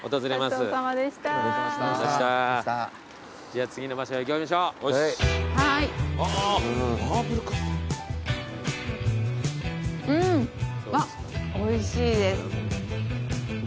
あっおいしいです。